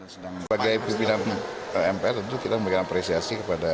saya yang memberikan apresiasi